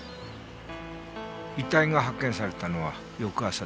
遺体が発見されたのは翌朝です。